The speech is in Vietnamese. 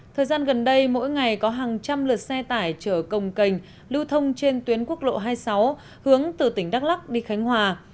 thời gian gần đây mỗi ngày có hàng trăm lượt xe tải chở công cành lưu thông trên tuyến quốc lộ hai mươi sáu hướng từ tỉnh đắk lắc đi khánh hòa